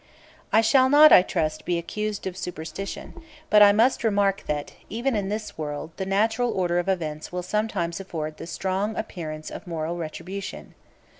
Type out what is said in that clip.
I shall not, I trust, be accused of superstition; but I must remark that, even in this world, the natural order of events will sometimes afford the strong appearances of moral retribution.